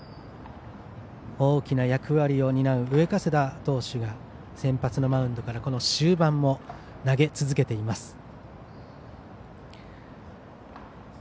大きな役割を担う上加世田投手が先発のマウンドからこの終盤も投げ続けています。